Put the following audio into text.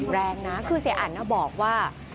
แรงนะคือเสียอันบอกว่า